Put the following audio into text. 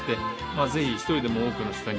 ぜひ１人でも多くの人に。